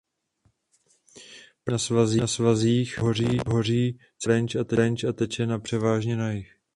Pramení na svazích pohoří Central Range a teče na převážně na jih.